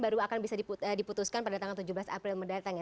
baru akan bisa diputuskan pada tanggal tujuh belas april mendatang ya